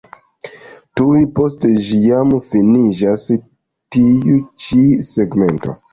Tuj post ĝi jam finiĝas tiu ĉi segmento.